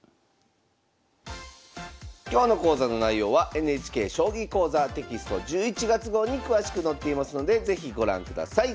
今日の講座の内容はＮＨＫ「将棋講座」テキスト１１月号に詳しく載っていますので是非ご覧ください。